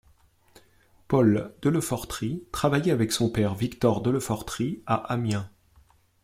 Paul Delefortrie travaillait avec son père Victor Delefortrie à Amiens.